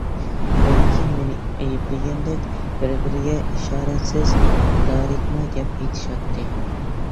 بەلكى مېنى ئەيىبلىگەندەك بىر بىرىگە ئىشارەتسىز دارىتما گەپ ئېتىشاتتى.